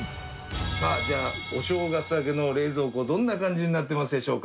さあじゃあお正月明けの冷蔵庫どんな感じになってますでしょうか？